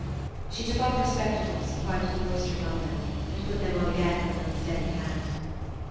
She took off her spectacles, wiped the moisture from them, and put them on again with an unsteady hand.